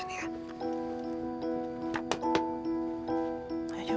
ini ada pakaian